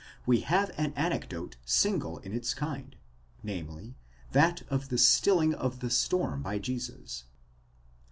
we have an anecdote single in its kind, namely, that of the stilling of the storm by Jesus.